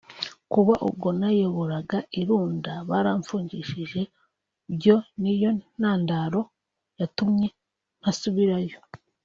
Kuba ubwo nayoboraga i Runda baramfungishije byo niyo ntandaro yatumye ntasubirayo